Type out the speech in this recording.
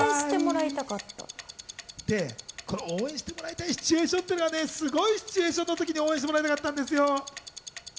応援してもらいたいシチュエーション、すごいシチュエーションのときに応援してもらいたかったんですよ。